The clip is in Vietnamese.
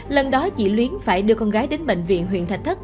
lần đó chị luyến phải đưa con gái đến bệnh viện huyện thạch thất